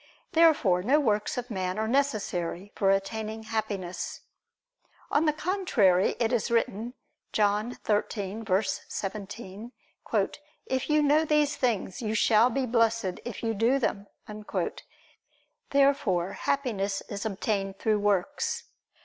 Therefore no works of man are necessary for attaining Happiness. On the contrary, It is written (John 13:17): "If you know these things, you shall be blessed if you do them." Therefore Happiness is obtained through works.